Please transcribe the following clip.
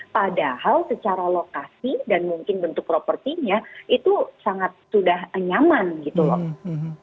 padahal secara lokasi dan mungkin bentuk propertinya itu sangat sudah nyaman gitu loh